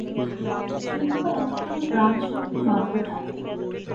শুধু একটু প্রাণশক্তি মাত্র থাকে।